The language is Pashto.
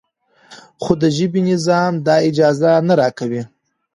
خو د ژبې نظام دا اجازه نه راکوي.